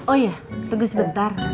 oh iya tunggu sebentar